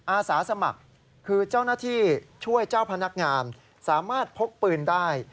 อาสาสมัครคือเจ้าหน้าที่ช่วยเจ้าพนักงานสามารถพกปืนได้